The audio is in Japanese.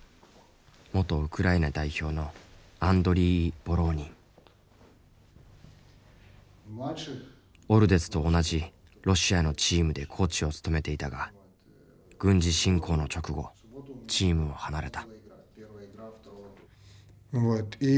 元ウクライナ代表のオルデツと同じロシアのチームでコーチを務めていたが軍事侵攻の直後チームを離れた。